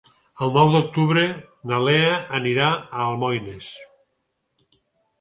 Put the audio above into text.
El nou d'octubre na Lea anirà a Almoines.